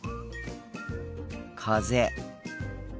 風。